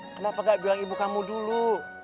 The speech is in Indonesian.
kenapa gak bilang ibu kamu dulu